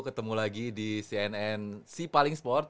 ketemu lagi di cnn sipaling sport